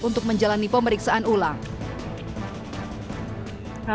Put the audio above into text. untuk menjalani pemeriksaan ulang